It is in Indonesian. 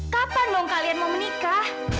kapan dong kalian mau menikah